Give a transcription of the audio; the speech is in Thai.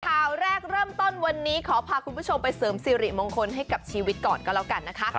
ข่าวแรกเริ่มต้นวันนี้ขอพาคุณผู้ชมไปเสริมสิริมงคลให้กับชีวิตก่อนก็แล้วกันนะคะ